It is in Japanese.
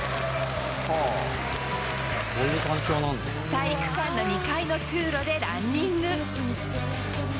体育館の２階の通路でランニング。